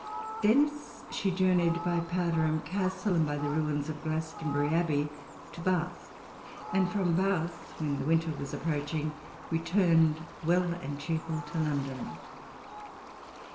Thence she journeyed by Powderham Castle, and by the ruins of Glastonbury Abbey to Bath, and from Bath, when the winter was approaching, returned well and cheerful to London.